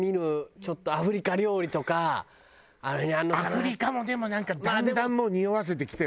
アフリカもでもなんかだんだんもうにおわせてきてない？